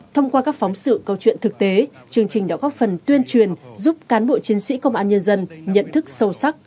thông qua các phóng sự câu chuyện thực tế chương trình đã góp phần tuyên truyền giúp cán bộ chiến sĩ công an nhân dân nhận thức sâu sắc